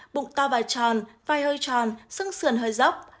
bụng to vài tròn vai hơi tròn sương sườn hơi dốc